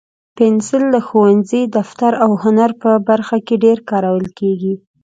پنسل د ښوونځي، دفتر، او هنر په برخه کې ډېر کارول کېږي.